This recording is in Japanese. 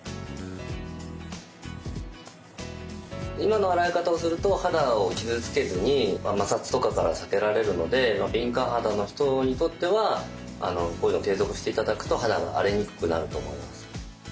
今の洗い方をすると肌を傷つけずに摩擦とかから避けられるので敏感肌の人にとってはこういうのを継続して頂くと肌が荒れにくくなると思います。